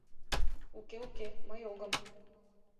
— Уке, уке, мый огым.